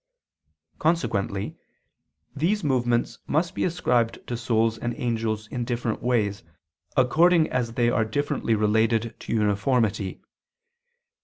Consequently these movements must be ascribed to souls and angels in different ways, according as they are differently related to uniformity.